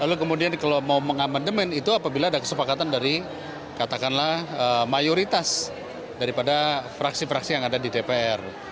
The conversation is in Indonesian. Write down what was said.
lalu kemudian kalau mau mengamandemen itu apabila ada kesepakatan dari katakanlah mayoritas daripada fraksi fraksi yang ada di dpr